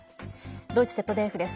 ドイツＺＤＦです。